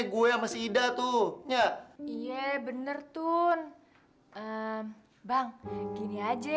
lu kagak tau apa apa